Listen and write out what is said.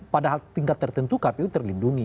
padahal tingkat tertentu kpu terlindungi